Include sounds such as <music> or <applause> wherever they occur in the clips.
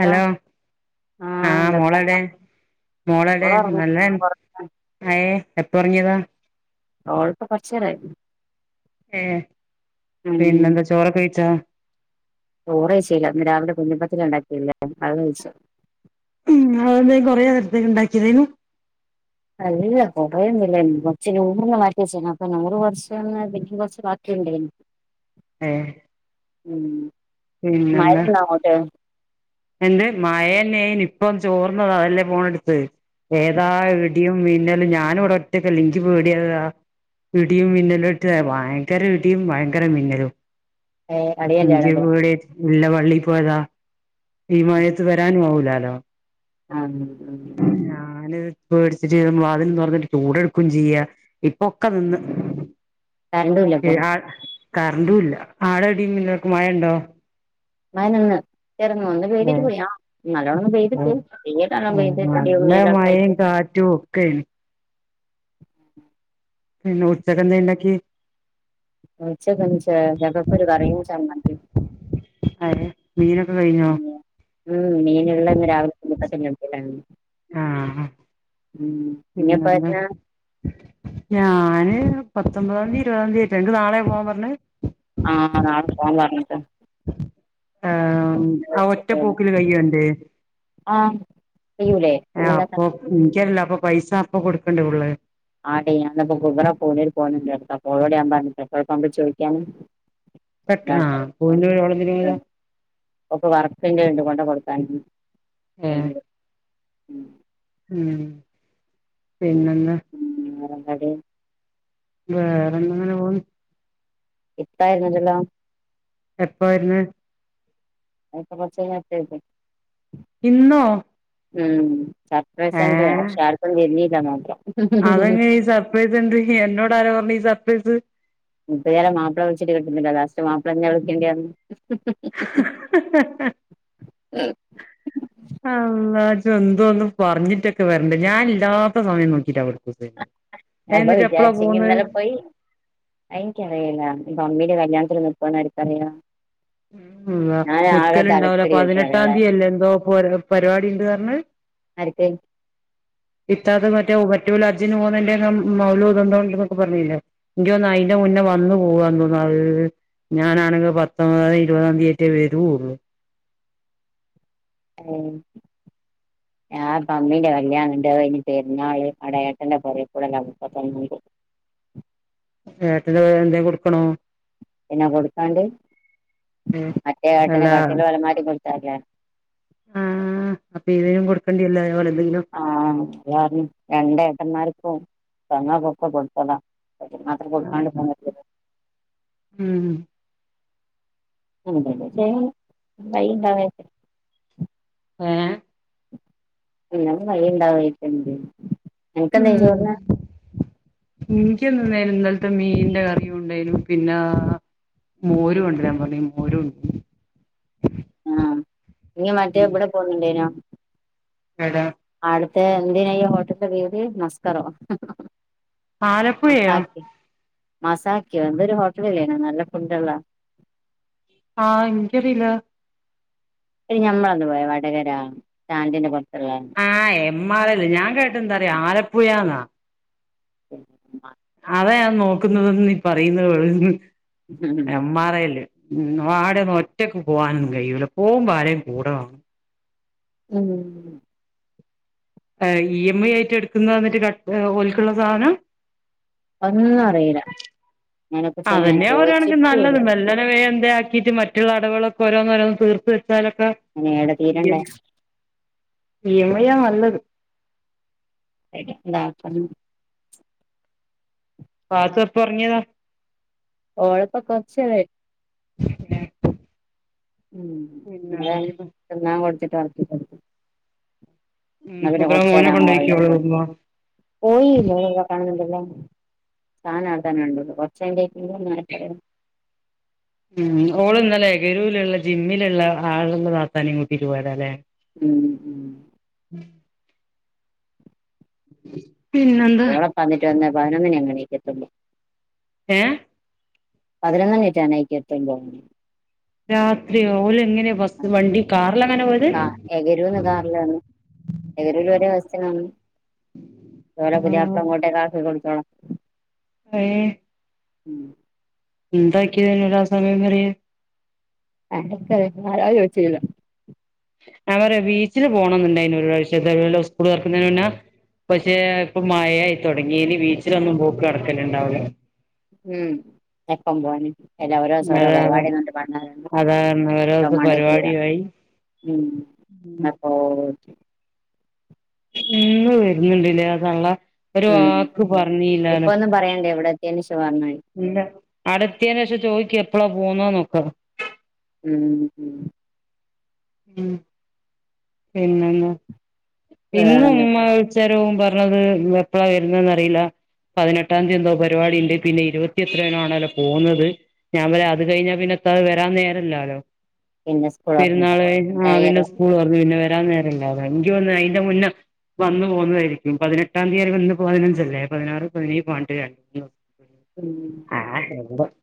Hello ആഹ് മോളടെ മോളടെ ഓളൊറങ്ങ നല്ല ഏയ് എപ്പറങ്ങിയതാ ആഹ് ഇപ്പ കൊരചെരായി ഏഹ് ഉം പിന്നെന്താ ചോറ് കഴിച്ചാ ചോറായ്ച്ചീല ഇന്ന് രാവിലെ കുഞ്ഞി പതിരിണ്ടാക്കില്ലേ അത് കഴിച്ചു ഉം അതന്ത കൊറെനേരത്തെന് ഇണ്ടാക്കിയതേനു അല്ല കൊറയൊന്നുല്ല കൊറച്ച് നൂറിനു മാറ്റിചെന് അപ്പൊ നൂറ് <unintelligible> പിന്നും കൊറച്ച് ബാക്കിയണ്ട ഏഹ് ഉം പിന്നെന്താ മഴണ്ടോ അങ്ങോട്ട് എന്ത് മയേനെനി ഇപ്പൊ ചോർന്നത അതല്ലേ ഫോണ് എടുത്ത് ഏതാ ഇടിയും മിന്നലും ഞാന് ഇവിടെ ഒറ്റക്കല്ലേ ഇൻക്ക് പേടിയക ഇടിയും മിന്നലുംട്ട് ഭയങ്കര ഇടിയും ഭയങ്കര മിന്നലും ഏഹ് അടിയല്ലാണ് ഇവിടെ ഇല്ല പള്ളി പോയതാ ഈ മഴത്ത് വരാനും ആവൂലാലോ ആഹ് ഞാന് പേട്ച്ചിട്ട് വാതില് തുറന്നിട്ട് ചൂടെടുക്കും ചെയ്യ ഇപ്പൊക്കെ നിന്ന് കറണ്ടുല്ല ഇപ്പൊ അഹ് കറണ്ടും ഇല്ല ആട അടിയ പിന്നക്ക് മഴുണ്ടോ മയനിന്ന് ചേറന്ന ഒന്ന് പെതിട്ട് ഉം പോയാ നല്ലോണംന്ന് ഉം പെതിട്ടല്ലോയിട്ട് റ്റ്ഓക്കെണ് പിന്നെ ഉച്ചകന്ന ഉണ്ടാക്കി ഉച്ചക്ക് ഒരു കറിയും ചമ്മന്തിയും <unintelligible> മീനൊക്കെ കഴിഞ്ഞോ ഉം മീന് രാവിലെ ഇനിപ്പോ <unintelligible> ആഹ് ഉം ഇനിയെപ്പൊ പിന്നെന്താ വരാ ഞാന് പത്തൊമ്പതാംതീ ഇരുപതാം തീയതിയിട്ട എനിക്ക് നാളെ പോവാൻ പറഞ്ഞഞ് ആഹ് നാട്ടു പോക പറഞ്ഞിട്ട ആം ആഹ് ഒറ്റ പോക്കില് കയ്യോന്റ് ആ കയ്യൂലേ പിന്നെന്താട്ട ഇനിക്കറില്ല അപ്പൊ പൈസ അപ്പൊ കൊടുക്കണ്ടേ ഫുള്ള് ആടീം ഞാന്പ്പോ <inaudible> ഗവന പോണ പോണ്ട്ോട്യാൻ പറഞ്ഞു പെട്രോൾ പമ്പിൽ ചോയിക്കാന് പെട്രണാ പൂവിന്റെമരൊൾന്തിനാ പോയിനെ ഓക്ക് വർക്കിൻ്റെണ്ട് കൊണ്ടെ കൊടുക്കാന് <unintelligible> മ് പിന്നന്നാ മ് വേറെന്താടി വേറെന്താങ്ങനെ പോണ് ഇപ്പായിരുന്നല്ലല്ലോ എപ്പ വെരുന്ന് അയിപ്പ കൊറച്ചയിഞ്ഞാ <unintelligible> ഇന്നോ മ് ഏ ചർപ്രൈസണ്ടെ പക്ഷേആർക്കും തിരിഞ്ഞീല്ല മാത്രം അവന് ഈ സർപ്രൈസ് ണ്ട് എന്നോട് ആരാ പറഞ്ഞെ ഈ സർപ്രൈസ് മുപത്തിയരിയാളമാപ്പള വിളിച്ചിട്ട് കിട്ടുന്നില്ലാലൊ ലാസ്റ്റ് മാപ്പിളെന്നാ വിളിക്കേണ്ടിവന്ന് <unintelligible> <unintelligible> ഹ <unintelligible> അള്ളാ ജന്തൊ ഒന്നും പറഞ്ഞിട്ടൊക്കെ വെരണ്ടയ ഞാന് ല്ലാത്ത സമയം നോക്കിട്ടാവ്ടെ അപ്പൊ എന്നിട്ട് എപ്പളാ പോന്നത് ആയ്ന്ക്കറിയില്ല പമ്മിൻ്റെ കല്യാണത്തിന് മുപ്പതെണ്ണം എടുതാറിയോ മ് ന്ന നിക്കലുണ്ടാവുല തലക്കടി പതിനെട്ടാം കിട്ടിയാളെ തീയല്ലേ എന്തോ പൊര പരിപാടിണ്ടാറ്നെ ഇപ്പേയ്ന് ഇത്താത്ത മറ്റേ മറ്റോല് അജ്ജിന് പോന്നേന്റകം മൗലൂദ് എന്തോണ്ട്ന്നൊക്കെ പറഞ്ഞില്ലേ ഇൻക്യൊന്ന് അയിന്റെ മുന്നേ വന്നു പോവാന്ന് തോന്ന അവ് ഞാനാണെങ്കി പത്ത് ആ ഇപതാംതിയറ്റെവെരൊള്ളൂ ഏ <unintelligible> ഞാ പറഞ്ഞില്ലേ കല്യാണിണ്ട് അതയിഞി പെര്ന്നാൾ അവ്ടെ ഏട്ടൻറെ പൊരേകോടെ <unintelligible> ഏട്ടന്റെ പെരഎന്തെ കൊടുക്ക്ണൂ പിന്നെ കൊടുക്കാണ്ട് ഏ മറ്റേ ഏട്ടന് അല്ല കട്ടിലും അലമാരിം കൊടുത്തല്ലേ ആഹ് അപ്പൊ ഇതിനും കൊടുക്കണ്ടിരൂലേ അയേപോലെ എന്തെങ്കിലും ആന്ന് ളാർനിം രണ്ടേട്ടന്മാർക്കും പെങ്ങൾക്കൊക്കെ കൊടുത്തതാ അയ്റ്റക്ക് മാത്രം കൊടുക്കാണ്ടിക്കാൻ പറ്റില്ലല്ലോ മ് എന്തെങ്കിലും ചെയ്യാൻ വയിണ്ടാവേക്കും ഏ പിന്നെംവഴിണ്ടാവേ <unintelligible> യിട്ടണ്ട് മ് ഇനിക്ക്‌ന്ന് വേലും ഇന്നല്ത്തെ മീൻന്റെകറിയുംണ്ടായ്നു പിന്നാ മോര് കൊണ്ടാരാൻ പറഞ്ഞിന്നു മോരും ആ നീ മറ്റേബ്ടെ പോന്ന്ണ്ടേനോ എടേ ആട്ത്തെ എന്തിനയ്യൊ ഹോട്ട്ത്തെ വീദ് മസ്‌കറോ ആലപ്പുഴയോ മസാക്കി മസാക്ക്യോ എന്തോരു ഹോട്ടലില്ലേനോ നല്ല ഫുഡ്ള്ള ആ നിക്കറീയില എടി ഞമ്മളന്ന് പോയ വടകര സ്റ്റാന്റിന്റെ പൊറ്ത്തുള്ളേ ആ എം ആറല് ഞാൻ കേട്ടന്താ റിയോ ആലപ്പുഴന്നാ എൻ മാ അതാ ഞാ നോക്കുന്നതെന്ന് നീ പറയുന്നത് വേറൊന്ന് എം ആറയി ല്ല് ഉം ആടെ ഒന്നും ഒറ്റക്ക് പോവാനൊന്നും കഴിയൂല പോകുമ്പോ ആരേലും കൂടെവാണം ഉം ഏഹ് ഇ എം ഐ ആയിട്ട് എടുക്കുന്ന എന്നിട്ട് ഓല്ക്കുള്ള സാനം ഒന്നും അറിയില്ല അതിനെ കുറിച്ചൊന്നും ഞാൻ അതന്നെ ഓരാണക്കിന് നല്ലത് ചോദിച്ചിട്ടുല്ല മെല്ലന വേ എന്തെ ആക്കീട്ട് മറ്റുള്ളടവുകളൊക്കെ ഓരോന്നോരോന്ന് തീർത്ത് വെച്ചാലൊക്കെ അയിന് ഏടെ തീരണ്ടേ ഇ എം ഐ നല്ലത് അയിന് ന്താക്ക്ന്ന് പാത്തു എപ്പൊ ഒറങ്ങിതാ ഓളിപ്പോ കൊറച്ചേരായി ഉം പിന്നെ ഇവിടാണേ വേറെന്താ തിന്നാ കൊടുത്തിട്ട് ഒറക്കി കോട ഉം ന്നാ പിന്നെ കുബറ കൊറച്ചേരം മോനെ കൊണ്ടോയിക്കോളൂ അങ്ങൊറങ്ങിക്കോളും ഉമ്മ. പോയില്ല കാണണ്ടല്ലോ സാനം <unintelligible> <unintelligible> ഉം ഓളന്നല്ലേ ഗരൂലിലുള്ള ജിമ്മിലുള്ള ആള് വാപ്പാനേം കൂട്ടിട്ട് പോയല്ലേ ഉം ഉം പിന്നെന്താ <unintelligible> പതിനൊന്നിനേ എണീക്കതൊള്ള് ഏഹ് പതിനൊന്നെണിറ്റ <unintelligible> രാത്രിയോ ഓല് എങ്ങനെയാ ബസ്സ് വണ്ടി കാറിലാ അങ്ങനെ പോയത് എവരേലും ഒരാഴ്ച്ച കാണും ഓല് പുതിയാപ്ല ഇങ്ങോട്ടേക്കാക്കി കൊടുക്കണം ഇപ്പഴേ മ് എന്താക്കിയത് ഒരു ആ സമയം വരെയും ആർക്കറിയാ ആരാ ചോദിച്ചില്ലല്ലോ ഞാ പറയാ ബീച്ചില് പോണം എന്നുണ്ടായിന് <unintelligible> സ്കൂൾ തുറക്കുന്നതിന് മുന്നെ പക്ഷേ ഇപ്പൊ മഴായി തുടങ്ങി ഇനി ബീച്ചിലൊന്നും പോക്ക് നടക്കല്ണ്ടാവൂല ഉം എപ്പം പോവാന് എല്ല ഓരോസോം ഓരോ അതാണ് പരിപാടിന്നർട്ട് <unintelligible> അതാണ് ഓരോത്ത പോകേണ്ടി തീര പരിപാടിയായി മ് അപ്പൊ ഇന്ന് വെര്ന്ന്ണ്ട്ല്ലേ ആ തള്ള ഒര് വാക്ക് പറഞ്ഞില്ലാലൊ ന്നും പറയേണ്ടേവിടെ <unintelligible> ഇല്ല അടെ എത്യേനേഷം ചോയ്ക് എപ്പളാ പോവ്ന്നേന്നൊക്കെ മ് മ് മ് പിന്നെന്നാ പിന്നെ വേറെന്താ ഉമ്മ തരോം പറ്ഞ്ഞത് എപ്പളാ വെരുന്നേന്നറീല്ല പതിനെട്ടാംതീ എന്തോ പര്പാടിണ്ട് പിന്നെ ഇരുപത്തി എത്രേയോ <unintelligible> പോന്നത് ഞാ പിന്നെ അത് കയ്ഞ്ഞാ പിന്നെത്താൻ വെരാം നേരല്ലാലോ പിന്നെ സ്കൂൾ തുറന്നില്ലേ പെരുന്നാളയിഞ്ഞ പിന്നെ എന്തായാലും സ്കൂളൊറ് പിന്നെ വെരാം നേരല്ലാലൊ <unintelligible> അയിന്റെ മുന്നെ വന്നു പോക്ന്നതായിരിക്കും പതിനെട്ടാം തീയതി വന്ന് പതിനഞ്ചല്ലേ പതിനാറ് പതിനേയ് പതിനെട്ട്ലെ ഇയോ... ഉം ആഹ് <unintelligible>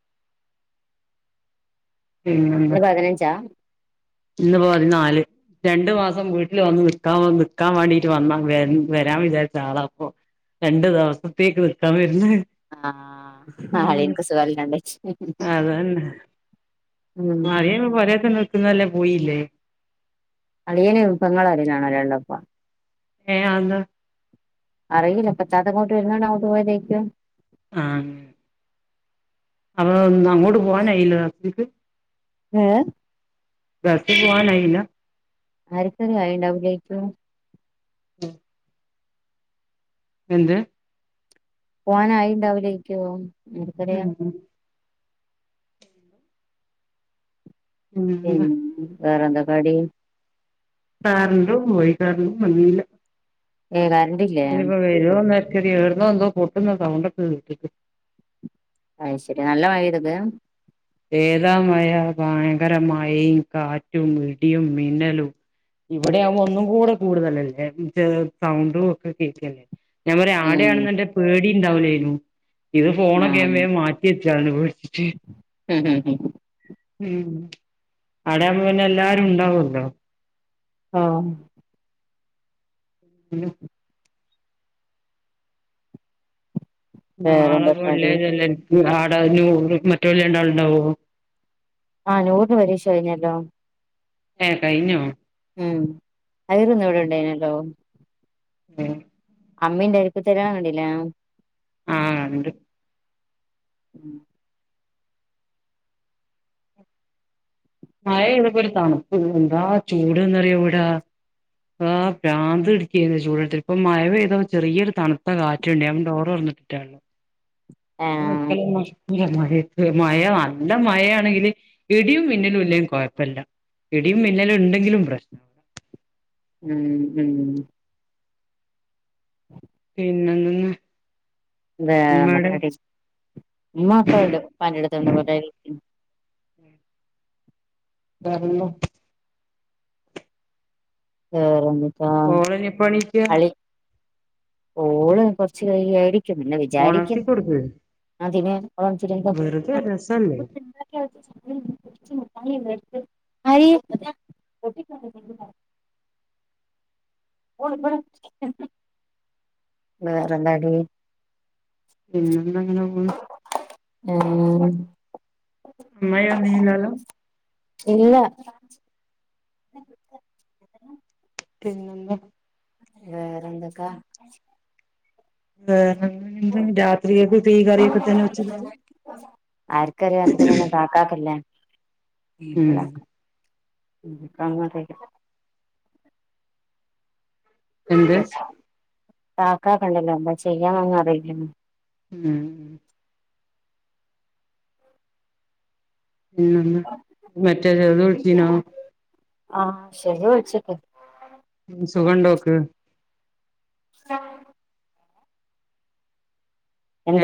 പിന്നെന്താ ഇന്ന് പതിനഞ്ചാ ഇന്ന് പതിനാല് രണ്ട് മാസം വീട്ട്ല് വന്ന് നിക്കാം വന്ന് നിക്കാൻ വാണ്ടിട്ട് വന്നാ വെര് വെരാം വിചാരിച്ച ആളാപ്പൊ രണ്ട് ദിവസത്തേക്ക് നിക്കാൻ വര്ന്ന് ആ <unintelligible> ഇൻക് സുഖലൈണ്ട <unintelligible> അതെന്നെ. ഉം മഴേം പോരെത്തെ നിർക്ന്നെലെ പോയില്ലേ..? അളിയനെ പെങ്ങളരലാണോല്ലള്ളപ്പ. ഏ അയെന്താ?.. അറിയില്ല പച്ചാതങ്ങോട്ട് വര്ന്നത് <unintelligible> തേക്കും ആഹ്. അവോം അങ്ങോട്ട് പോവാനയില <unintelligible> ഏഹ്. ഗൾഫ് പുവാനായില്ല,? ആരൊക്കയണ്ടാവുലര്ക്കു. <inaudible> എന്ത്? പോവാനായിണ്ടാവില്ലേയ്ക്യോം. ആർക്കറിയാം. ഉം ഇ പിന്നെന്താ മ്.. വേറെന്താക്കാടി? കറ്ണ്ടും പോയി കറ്ണ്ടും വന്നീല്ല. ഏ. കര്ൺ ട്പ വെരൊ നേര്ക്കര്യാ എവ്ട്ന്നോ ന്തോ പൊട്ടുന്ന സൗണ്ടൊക്കെകേട്ട്ക്ക്. ഐശെരി നല്ല മഎയ്തന്ന്? ഏതാ മയാ ഭയങ്കെരമായേം കാറ്റും ഇടിയും മിന്നലു ഇവിടെയാകുമ്പോ ഒന്നും കൂടെ കൂട്തലല്ലേ മ് ചെ സൗണ്ടുക്കെ കേക്കല്ലേ? ഞാപറൈ ഉം ആടയാണെന്ന്ണ്ടെ പേടിണ്ടാവുലെര്ന്നു. ഇത്ഫോണൊക്കെ ഞ്ഞം വേം മാറ്റ് കി ച്ചാ ന്ന് പേട്ച്ച്റ്റ്. ഹ്.. ഹ്.. ഹം മ്. അവടെയാമ്പോപിന്നെ ല്ലാരുംണ്ടാവോല്ലോ? ആഹ്. <unintelligible> നാളെപ്പ വേറെന്തൊക്കാടി വെള്ള്യയ്ച്ചല്ലെ ഇൻ ആടെ നൂർ മറ്റൊല് രണ്ടള്ണ്ടാവോ? ആ നൂറ്ന് പരീക്ഷ കയിഞ്ഞല്ലോ. ഏ കയിഞ്ഞോ. മ് അവരിന്ന് ഇവിടെ ഉണ്ടായിനല്ലോ. എ അമ്മീന്റെ അരിപ്പ്‌ തരാ കണ്ടില്ലേ. ആ ഇണ്ട്. മയ പെയ്തിട്ടും ഒരു തണുപ്പില്ല എന്താ ചൂട്ന്നറിയോ ഇവിടാ. ആ. ബ്രാന്ത് പിടിക്കേനു ചൂടുടുത്ത് ഇപ്പ മഴ പെയ്തപ്പോ ചെറിയൊരു തണുത്ത കാറ്റുണ്ട് ഞാൻ ഡോറ് തുറന്നിട്ടിറ്റാ ഉള്ളേ. <unintelligible> മഴ മഴത് നല്ല മഴയാണെങ്കില് ഇടിയും പിന്നലും ഇല്ലങ്കിലും കുഴപ്പല്ല ഇടിയും മിന്നലും ഉണ്ടെങ്കിലും പ്രശ്. മ് മ് മ്മ് പിന്നെന്ത്ന്ന് വേറെന്താടി ഉമ്മ അപ്പറ്ണ്ട് ഉപ്പാന്റെടുത്ത്ണ്ട് കൊനാ യിലിക്കുന്നു വേറെന്ന വേറെന്തൂട്ടാ ഓളെനിപ്പോ എണീക്കാ ഓള് കൊറച്ച് കൈയ്യേരിക്കും പിന്ന ഒണർത്തി വിചാരിക്കും കൊടുക്ക് അതിന് അപ്പോ പിന്നെന്താ വെറുതെ രസല്ലേ മുട്ടായി അ <unintelligible> വേറെ എന്താടീ? പിന്നെന്താ അങ്ങനെ പോണൂ. ഉം അമ്മായി വന്നീലല്ലോ. ഇല്ല. പിന്നെ? വേറെന്തക്കാ? വെറെന്ത്ന്ന് രാത്രിയേക്ക് തീ കറിയൊക്കെ തന്നെ വെച്ചടുത്തു. ആർക്കറിയാ രാത്രി പോന്ന ക്കാക്കല്ലേ. ഉം എന്ത് ആ ക്കാക്കക്കൊണ്ടല്ലോ എന്താ ചെയ്യാന്നോന്നും അറിയില്ലല്ലോ. മ്മ്ഹ് പിന്നെന്താ? മറ്റേ ചെറുത് വിളിച്ചീനോ? ആഹ് ശരി വ്ള്ച്ച്ക്ക്. ഉം സുഖണ്ടോക്ക്? <inaudible>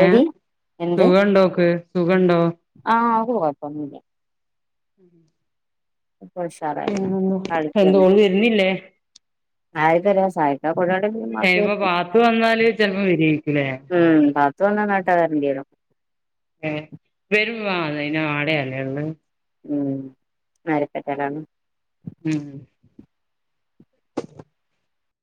ഏഹ് എന്ത് സുഖണ്ടോക്ക് സുഖണ്ടോ? ആഹ് ഓക് കൊയപോന്നുല്ല. ഇപ്പൊ ഉഷാറായില്ലേ മ്മ്ഹ് എന്ത ഓള് വര്നില്ലേ? ആയിത്തരാ ഇപ്പൊ <unintelligible> <unintelligible> പാത്തു വന്നാല് ചെലപ്പോ വരേക്കുലേ ഉം പ്പ വന്നാ നാട്ടാ വേര്ണ്ടിരും. ഏഹ് വെരും വ അയിന് ആടയല്ലേ ള്ളേ. ഉം നരപ്പറ്റടാണ് മ്മ്ഹ്